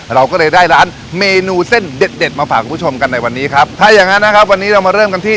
เราก็เลยได้ร้านเมนูเส้นเด็ดเด็ดมาฝากคุณผู้ชมกันในวันนี้ครับถ้าอย่างงั้นนะครับวันนี้เรามาเริ่มกันที่